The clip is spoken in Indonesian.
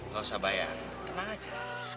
gak usah bayang tenang aja